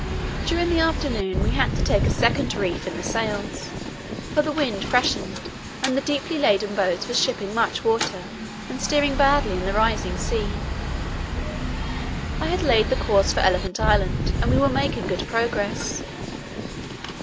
During the afternoon we had to take a second reef in the sails, for the wind freshened and the deeply laden boats were shipping much water and steering badly in the rising sea. I had laid the course for Elephant Island and we were making good progress.